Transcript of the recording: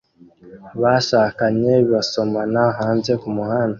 Abashakanye basomana hanze kumuhanda